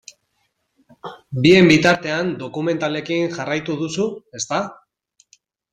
Bien bitartean dokumentalekin jarraitu duzu, ezta?